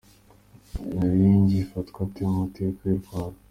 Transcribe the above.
Nyabingi afatwa ate mu mateka y’u Rwanda.